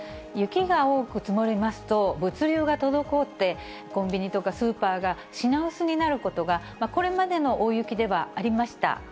雪が多く積もりますと、物流が滞って、コンビニとかスーパーが品薄になることが、これまでの大雪ではありました。